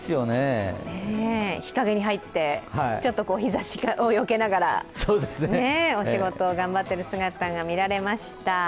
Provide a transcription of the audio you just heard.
日陰に入って、ちょっと日ざしをよけながら、お仕事、頑張っている姿が見られました。